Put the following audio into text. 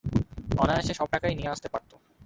অনায়াসে সব টাকাই নিয়ে আসতে পারত।